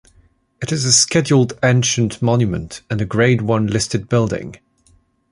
It is a Scheduled Ancient Monument and a Grade One listed building.